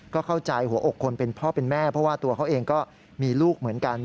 ก็เข้าใจหัวอกคนเป็นพ่อเป็นแม่เพราะว่าตัวเขาเองก็มีลูกเหมือนกัน